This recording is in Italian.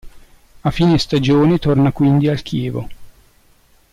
A fine stagione torna quindi al Chievo.